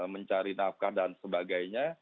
mencari nafkah dan sebagainya